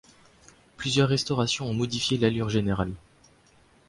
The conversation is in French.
Plusieurs restaurations ont modifié l'allure générale.